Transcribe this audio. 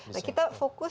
nah kita fokus